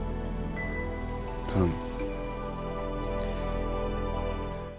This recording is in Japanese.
頼む。